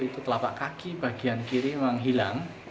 itu telapak kaki bagian kiri memang hilang